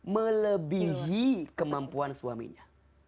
melebihi kemampuan suaminya